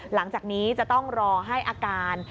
หลังจากนี้จะต้องรอให้อาการ